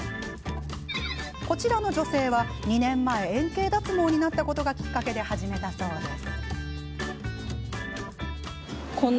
こちらの女性は２年前、円形脱毛になったことがきっかけで始めたそうです。